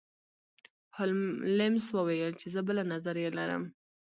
هولمز وویل چې زه بله نظریه لرم.